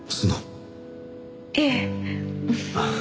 ええ。